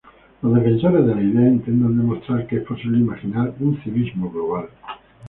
Los defensores de la idea intentan demostrar que es posible imaginar un civismo global.